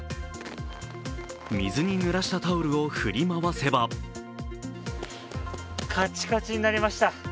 水にぬらしたタオルを振り回せばカチカチになりました。